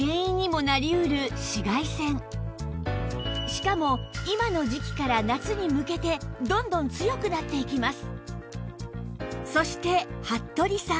しかも今の時期から夏に向けてどんどん強くなっていきます